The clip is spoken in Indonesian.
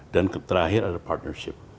dan terakhir ada partnership